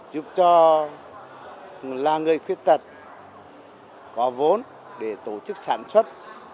giúp cho là người khuyết tật có vốn để tổ chức sản xuất